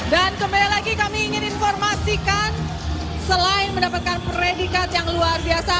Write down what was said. dan kembali lagi kami ingin informasikan selain mendapatkan predikat yang luar biasa